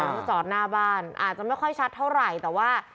ก็จอดหน้าบ้านอาจจะไม่ค่อยชัดเท่าไหร่แต่ว่า